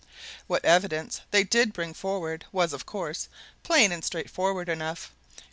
What evidence they did bring forward was, of course, plain and straightforward enough.